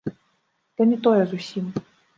Ды не тое зусім.